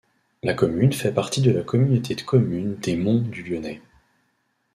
La commune fait partie de la communauté de communes des monts du Lyonnais.